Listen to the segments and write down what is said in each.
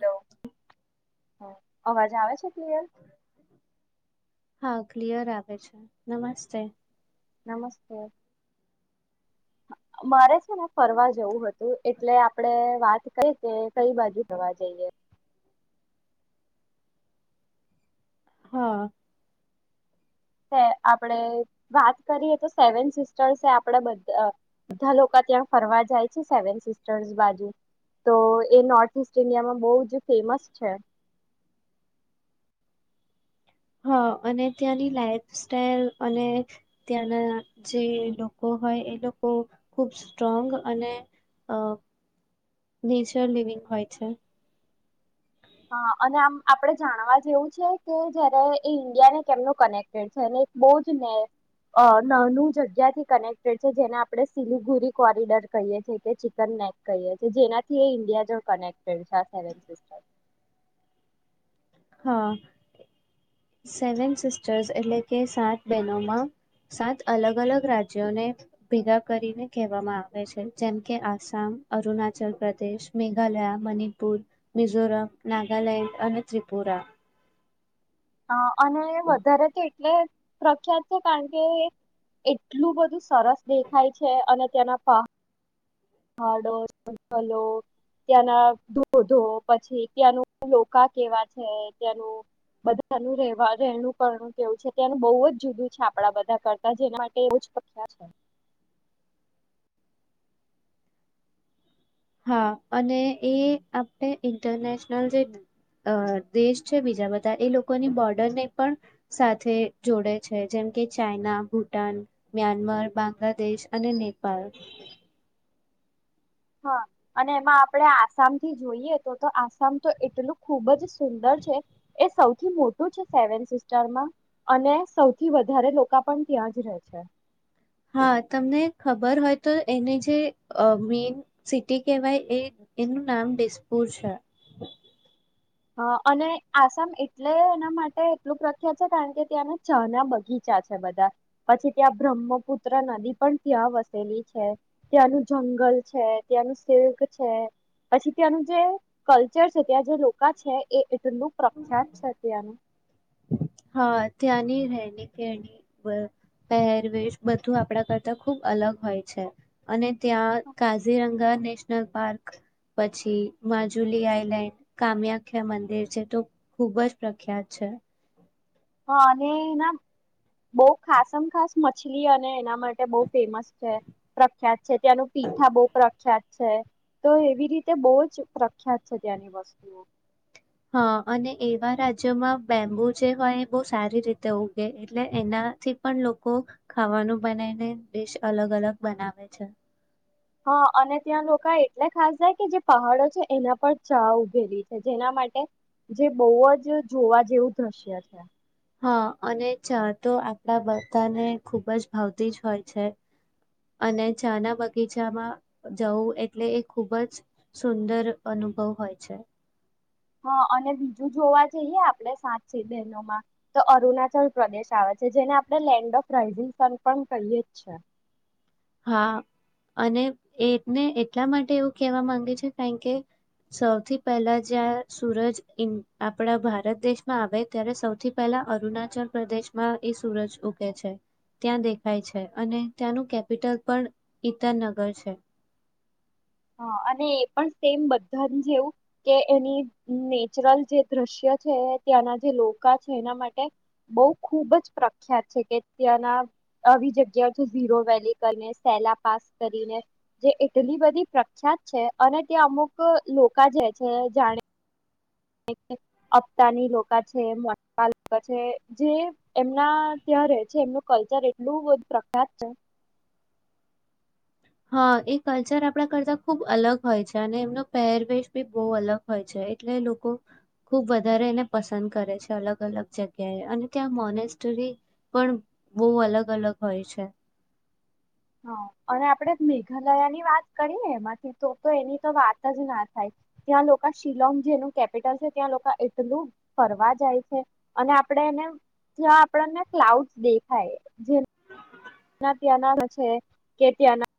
Hello અવાજ આવે છે? એ હા ક્લિયર આવે છે નમસ્તે. નમસ્તે મારે છે ને ફરવા જવું હતું એટલે આપડે વાત કઈ કે કઈ બાજુ થવા જઈએ. હા આપણે વાત કરીએ તો સેવન સિસ્ટર્સ આપણે બધા લોકો ત્યાં ફરવા જાય છે સેવન સિસ્ટર્સ બાજુ તો એ નોર્થ ઈસ્ટ ઇન્ડિયામાં બો જ ફેમસ છે. હા અને ત્યાંની લાઈફ સ્ટાઇલ અને ત્યાંના જે લોકો હોય એ લોકો ખુબ સ્ટ્રોંગ અને નેચર લિવિંગ હોય છે. હ અને આ આપણે જાણવા જેવું છે કે જયારે એ ઇન્ડિયાને કેમનું કનેક્ટેડ છે અને બોજ ને નાનું જગ્યાથી કનેક્ટેડ છે જેને આપણે સિલગુરી કોરિડોર કહીએ છેએ કે ચિકન નેક કહીએ છે જેનાથી એ ઈન્ડિયા જોડે કનેકટેડ છે. [unintelligible] હા સેવન સિસ્ટર્સ એટલે કે સાત બહેનોમાં સાત અલગ અલગ રાજ્યોને ભેગા કરીને કહેવામાં આવે છે જેમ કે આસામ અરુણાચલ પ્રદેશ મેઘાલયા મણિપુર મિઝોરમ નાગાલેન્ડ અને ત્રિપુ પૂરા હા અને વધારે તે એટલે પ્રખ્યાત છે કારણ કે એટલું બધું સરસ દેખાય છે અને તેના પ હાડો જંગલો ત્યાંના ધોધો પછી ત્યાંનું લોકા કેવા છે ત્યાંનું બધાનું રે વા રહેણું કરણું કેવું છે ત્યાંનું બહુ જુદું છે આપડા બધા કરતા જેના માટે એ બો જ પ્રખ્યાત છે. હા અને એ આપણે ઇન્ટરનેશનલ જે દેશ છે બીજા બધા એ લોકોની બોર્ડરને પણ સાથે જોડે છે જેમ કે ચાઈના ભૂટાન મ્યાનમાર બાંગ્લાદેશ અને નેપાળ. હા અને એમાં આપણે આસામથી જોઈએ તો તો આસામ તો એટલું ખૂબ જ સુંદર છે એ સૌથી મોટું છે સેવન સિસ્ટરમાં અને સૌથી વધારે લોકા ઓ પણ ત્યાં જ રહે છે. હા તમને ખબર હોય તો એને જે મેન સિટી કેહેવાય એ એનું નામ દિસપુર છે. હ અને આસામ એટલે એના માટે એટલું પ્રખ્યાત છે કારણ કે ત્યાંના ચહા ના બગીચા છે બધા પછી ત્યાં બ્રહ્મપુત્ર નદી પણ ત્યાં વસેલી છે ત્યાંનું જંગલ છે ત્યાંનું સિલ્ક છે પછી ત્યાંનું જે કલ્ચર છે ત્યાં જે [unintelligible] છે એ એટલું બ પ્રખ્યાત છે ત્યાંનું. હા ત્યાંની રહેણી કેરણી પહેરવેશ બધું આપણા કરતા ખુબ અલગ હોય છે અને ત્યાં કાઝીરંગા ને નેશનલ પાર્ક, પછી માજુલી આઈલેન્ડ, કામ્યાખ્યા મંદિર છે તો ખુબ જ પ્રખ્યાત છે. હા અને એના બો ખાસમ ખાસ મછલી અને એના માટે બહુ ફેમસ છે, પ્રખ્યાત છે. ત્યાંનું પીઠા બહુ પ્રખ્યાત છે, તો એવી રીતે બો જ પ્રખ્યાત છે ત્યાંની વસ્તુઓ. હા અને એવા રાજ્યોમાં બેમ્બુ જે હોય એ બહુ સારી રીતે ઉગે એટલે એનાથી પણ લોકો ખાવાનું બનાવીને ડિશ અલગ અલગ બનાવે છે. હા અને ત્યાં લોકા એટલે ખાસ જાય કે જે પહાડો છે, એના પર ચા ઉભેલી છે, જેના માટે જે બહુ જ જોવા જેવું દ્રશ્ય છે. હા અને ચા તો આપણા બધાને ખૂબ જ ભાવતી જ હોય છે અને ચા ના બગીચામાં જવું એટલે એ ખૂબ જ સુંદર અનુભવ હોય છે. હા અને બીજું જોવા જઈએ આપણે સાત સિઝનોમાં તો અરુણાચલ પ્રદેશ આવે છે, જેને આપણે લેન્ડ ઓફ રાઈઝિંગ સન પણ કહીયે જ છે. હા અને એને એટલા માટે એવું કેહેવા માંગે છે કારણ કે સૌથી પહેલા જ્યાં સૂરજ આપડા ભારત દેશમાં આવે ત્યારે સૌથી પહેલા અરુણાચલ પ્રદેશમાં એ સૂરજ ઉગે છે. ત્યાં દેખાય છે અને ત્યાંનું કે કેપિટલ પણ ઈતાંનગર છે. હ અને એ પણ સેમ બધા જેવું કે એની નેચરલ જે દ્રશ્ય છે, ત્યાંના જે લોકા છે એના માટે બહ ખુબ જ પ્રખ્યાત છે કે ત્યાંના આવી જગ્યાઓ ઝીરો વેલી કરીને સેલા પાસ કરીને જે એટલી બધી પ્રખ્યાત છે અને તે્યા અમુક લોકા જે છે જાણે અપતાની લોકા છે, [unintelligible] લોકા છે જે, એમના ત્યાં રે છે, એમનું કલ્ચર એટલું બધું પ્રખ્યાત છે. હા એ કલ્ચર આપણા કરતા ખૂબ અલગ હોય છે અને એમનો પહેરવેશ બી બહુ અલગ હોય છે. એટલે લોકો ખુબ વધારે એને પસંદ કરે છે. અલગ અલગ જગ્યાએ અને ત્યાં મોનેસ્ટરી પણ બહુ અલગ અલગ હોય છે. હા અને આપડે મેઘાલયા ની વાત કરીએ એમાંથી તો એની તો વાત જ ના થાય. ત્યાં લોક શિલોંગ જેનું કેપિટલ છે, ત્યાં લોક એટલું ફરવા જાય છે અને આપણે એને ત્યાં આપણને ક્લાઉડ દેખાય જે ત્યાના ત્યાંના છે કે ત્યાંના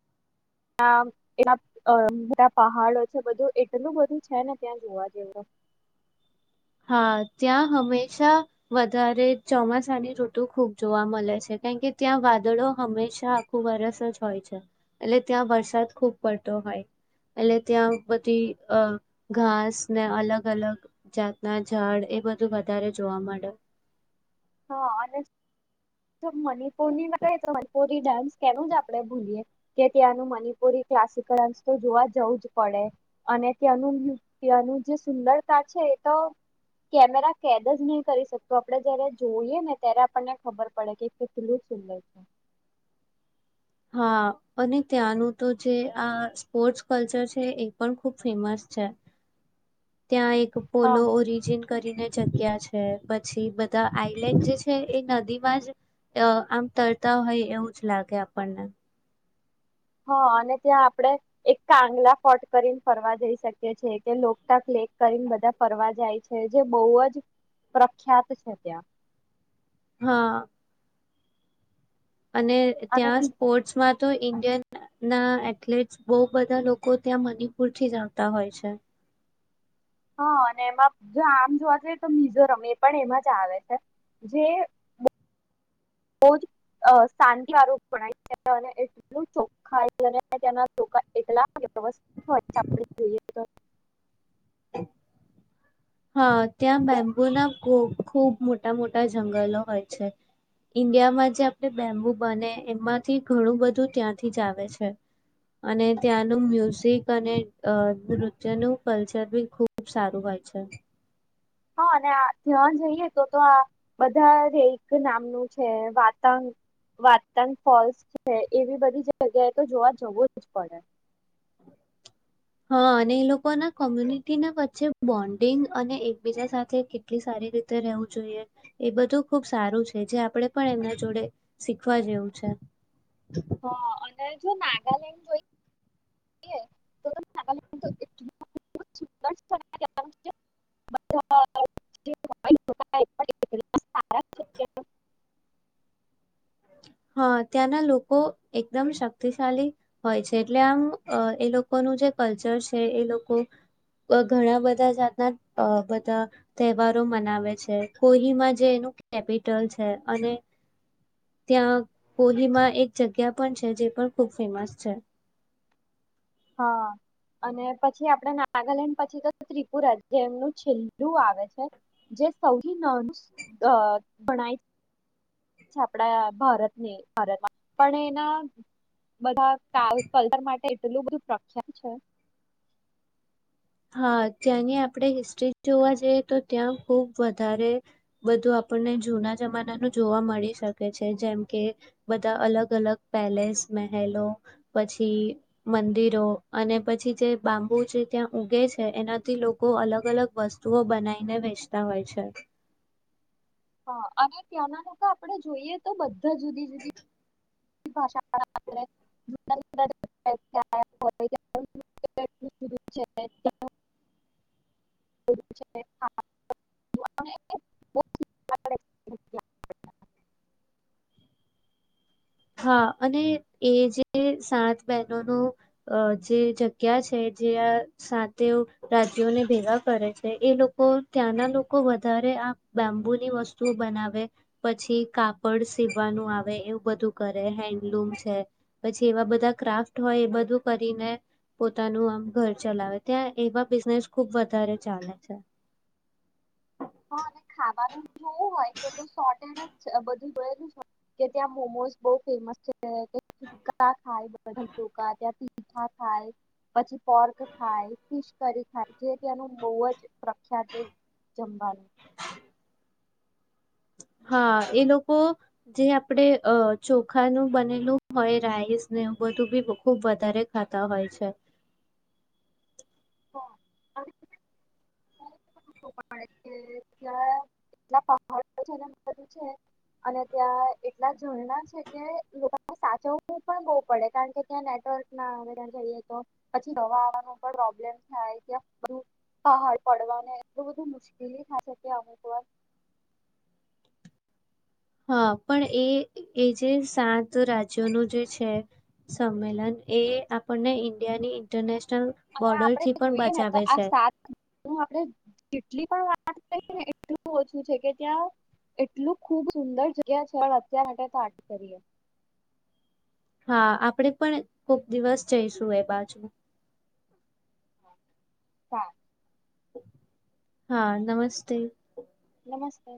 ત્યા એ બધા પહાડો છે બધું એટલું બધું છે ને ત્યાં જોવા જેવું. હા ત્યાં હંમેશા વધારે ચોમાસાની ઋતુ ખૂબ જોવા મળે છે કારણ કે ત્યાં વાદળો હંમેશા આખું વરસ જ હોય છે એટલે ત્યાં વરસાદ ખૂબ પડતો હોય એટલે ત્યાં બધી ઘાસ ને અલગ અલગ જાત ના ઝાડ એ બધું વધારે જોવા મળે. હા અને [unintelligible] ઈ ડાન્સ કેનું જ આપણે ભૂલીએ કે ત્યાંનું મનિપુરી ક્લાસિકલ ડાસ તો જોવા જવું જ પડે અને ત્યાંનું ત્યાંનું જે સુંદરતા છે એ તો કેમેરા કેદ જ નહી કરી શકતો આપણે જારે જોઈએ ને ત્યારે આપણને ખબર પડે કે કેટલું સુંદર છે. હા અને ત્યાંનું તો જે આ સ્પોર્ટ્સ કલ્ચર છે એ પણ ખૂબ ફેમસ છે. ત્યાં એક હા પોલો ઓરિજિન કરીને જગ્યા છે, પછી બધા આઈલેન્ડ જે છે એ નદી માં જ અ આમ તરતા હોય એવું જ લાગે આપ પણને. હા અને ત્યાં આપણે એક કાંગલા ફોર્ટ કરીને ફરવા જઈ શકીએ છેએ કે લોકટાક લેક કરીને બધા ફરવા જાય છે જે બહુ જ પ્રખ્યાત છે. ત્યાં હા. અને અને બી ત્યાં સ્પોર્ટ્સ માં તો ઇન્ડિયન ના એથલેટ્સ બહુ બધા લોકો ત્યાં મણપુર થી આવતા હોય છે. હા અને એમાં જો આમ જોવા જઈએ તો મિઝોરમ એ પણ એમાં જ આવે છે જે બોજ અ શાંતિવાળું ગણાય છે અને એટલું ચોખય તેના એટલા વ્યવસ્થ હોય [unintelligible] આપડ જોઈએ તો હા ત્યાં બેમ્બુ ના કુ ખૂબ મોટા મોટા જંગલો હોય છે ઇન્ડિયામાં જે આપણે બેમ્બુ બને એમાંથી ઘણું બધું ત્યાંથી જ આવે છે અને ત્યાંનું મ્યુઝિક અને અ નૃત્યનું કલ્ચર બી ખૂબ સારું હોય છે. હા અને આ ધ્યાન દઈએ તો તો આ બધા રેક નામનું છે, વાતંગ વાતંગ ફોલ્સ છે, એવી બધી જગ્યાએ તો જોવા જવું જ પડે. હા અને એ લોકોના કોમ્યુનિટીના વચ્ચે બોન્ડિંગ અને એકબીજા સાથે કેટલી સારી રીતે રહેવું જોઈએ એ બધું ખુબ સારું છે જે આપણે પણ એમના જોડે શીખવા જેવું છે. હ અને જો નાગાલેન્ડ જોઈ [unintelligible] [unintelligible] [unintelligible] હા ત્યાંના લોકો એકદમ શક્તિશાળલી હોય છે, એટલે આમ એ લોકોનું જે કલ્ચર છે, એ લોકો ઘણા બધા જાતના બધા અ ત તહેવારો મનાવે છે. કોહીમાં જે એનું કેપિટલ છે અને ત્યાં કોલીમાં એક જગ્યા પણ છે જે પણ ખૂબ ફેમસ છે. હા અને પછી આપણે નાગાલેન્ડ પછી તો ત્રિપુરા જે એમનું છેલ્લું આવે છે જે સૌથી નાનું ગણાય. જે આપડા ભારતની ભારતમાં પણ એના બધા કાલ કલર માટે એટલું બધું પ્રખ્યાત છે હા ત્યાંની આપણે હિસ્ટ્રી જોવા જઈએ તો ત્યાં ખુબ વધારે બધું આપણને જૂના જમાનાનું જોવા મળી શકે છે જેમ કે બધા અલગ અલગ પેલેસ મહેલો પછી મંદિરો અને પછી જે બાંબુ છે ત્યાં. ઉગે છે એનાથી લોકો અલગ અલગ વસ્તુઓ બનાવીને વેચતા હોય છે. હા અને ત્યાંના લોકો આપડણે જોઈએ તો બધા. જ જુદી જુદી. [inaudible] [inaudible] હા અને એ જે સાત બહેનો ન જે જગ્યા છે જે આ સાતે રાજ્યોને ભેગા કરે છે એ લોકો ત્યાંના લોકો વધારે આ બાંબુની વસ્તુઓ બનાવે પછી કાપડ સીવાનું આવે એવું બધું. કરે હેન્ડલુમ છે પછી એવા બધા ક્રાફ્ટ હોય એ બધું કરીને પોતાનું આમ ઘર ચલાવે ત્યાં એવા બિઝનેસ ખુબ વધારે ચાલે છે. નવું હોય તો સો એ જ બધું જોયેલું હો કે ત્યાં મોમો બો ફેમસ છેકા ખાયા ત્યાીઠા ખાય પછી પોર્ક ખાય ફિશ કરી ખાય જે ત્યાંનું બો જ પ્રખ્યાત. જમાનું હા એ લોકો જે આપડે અ ચોખાનું બનેલું હોય રાઈસ ને એવ બધું બી ખુબ વધારે ખાતા હોય છે. હા [inaudible] પણ ત્યાં એટલા પહાડ છે બધું છે અને ત્યાં એટલા ઝરણા છે કે લોકોને સાચવું પણ બહુ પડે કારણ કે ત્યાં નેટવર્ક ના આવે ત્યાં જઈએ તો પછી દવા આવવાનું પણ પ્રોબ્લેમ થાય ત્યાં પહાડ પડવાને. એ બધું મુશ્કેલી થાઈ અમુક વાર. હા પણ એ એ જે સાત રાજ્યોનું જે છે સંમેલન એ આપણને ઇન્ડિયાની ઇન્ટરનેશન. અને આપડે જોઈએ ને તો આ સાત આપણે જેટલી પણ વાત કરીએને એટલું. શ છે કે ત્યાં એટલું ખૂબ સુંદર જગ્યા છે અત્યાર માટે ત કરીએ. હા આપણેે પણ ખુબ દિવસ જઈશું એ બાજુ. હા. હા નમસ્તે. નમસ્તે